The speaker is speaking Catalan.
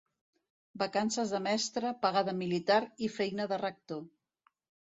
Vacances de mestre, paga de militar i feina de rector.